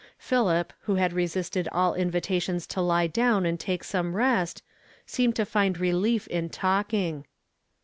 Philip, who had resisted all invitations to lie down and take some rest, seemed to find relief in talking.